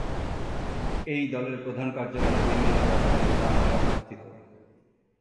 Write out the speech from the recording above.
এই দলের প্রধান কার্যালয় ইয়েমেনের রাজধানী সানায় অবস্থিত।